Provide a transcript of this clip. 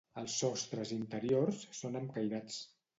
Els sostres interiors són amb cairats.